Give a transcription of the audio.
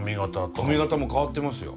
髪形も変わってますよ。